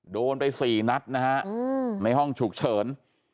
โดนไป๔นัดนะฮะในห้องฉุกเฉิน